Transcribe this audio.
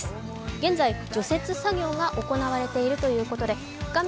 現在、除雪作業が行われているということで画面